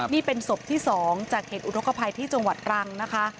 นี่เป็นศพที่๒จากเหตุอุทธกภัยที่จังหวัดตรังนะคะ